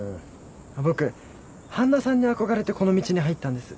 僕半田さんに憧れてこの道に入ったんです。